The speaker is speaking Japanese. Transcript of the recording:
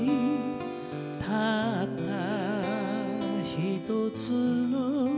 「たったひとつの」